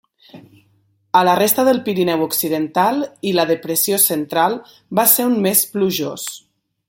A la resta del Pirineu occidental i la depressió Central va ser un mes plujós.